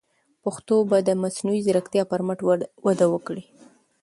پښتو به د مصنوعي ځیرکتیا په مټ وده وکړي.